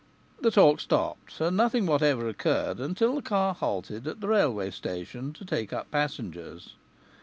The talk stopped, and nothing whatever occurred until the car halted at the railway station to take up passengers.